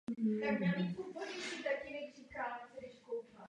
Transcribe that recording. Vašek však tehdy ještě nebyl propuštěn na svobodu.